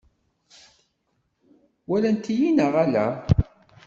Walant-iyi neɣ ala?